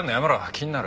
気になる。